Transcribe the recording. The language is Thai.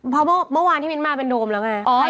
เพราะเมื่อวานที่มิ้นมาเป็นโดมแล้วไง